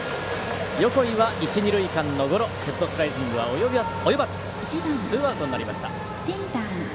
横井は一、二塁間のゴロヘッドスライディングは及ばずツーアウトになりました。